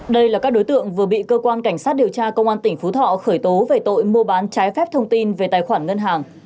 đây là các đối tượng vừa bị cơ quan cảnh sát điều tra công an tỉnh phú thọ khởi tố về tội mua bán trái phép thông tin về tài khoản ngân hàng